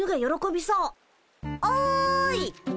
おい！